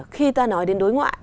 khi ta nói đến đối ngoại